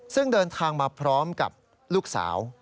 ซึ่งเดินทางมาพร้อมกับลูกสาว